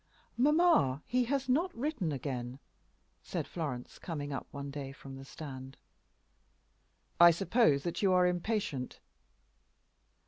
"Mamma, he has not written again," said Florence, coming up one day from the stand. "I suppose that you are impatient."